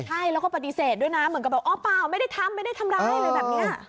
ใช่แล้วก็ปฏิเสธด้วยนะเหมือนกับแบบอ๋อเปล่าไม่ได้ทำไม่ได้ทำร้ายอะไรแบบนี้